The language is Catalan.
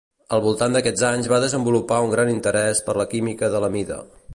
Al voltant d'aquests anys va desenvolupar un gran interès per la química de l'amida.